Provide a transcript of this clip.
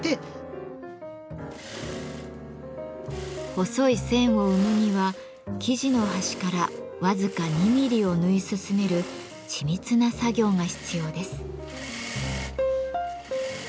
細い線を生むには生地の端から僅か２ミリを縫い進める緻密な作業が必要です。